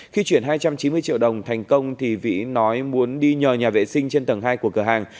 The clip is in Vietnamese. khi chuyển hai trăm chín mươi triệu đồng thành công vĩ nói muốn đi nhờ nhà vệ sinh trên tầng hai của cửa hàng